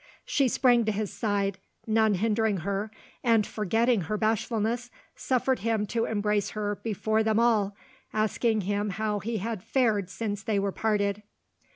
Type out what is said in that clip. She sprang to his side, none hindering her, and, forgetting her bashfulness, suffered him to embrace her before them all, asking him how he had fared since they were parted.